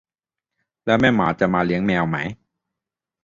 แล้วแม่หมาจะมาเลี้ยงแมวไหม